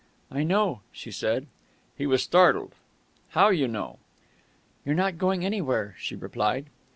"I know," she said. He was startled. "How, you know?" "You're not going anywhere," she replied.